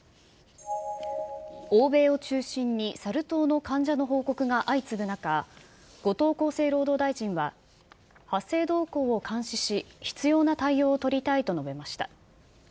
欧米を中心にサル痘の患者の報告が相次ぐ中、後藤厚生労働大臣は、発生動向を監視し、必要な対応を取りたいと述べました。